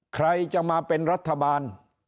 ใครจะมาเป็นรัฐบาล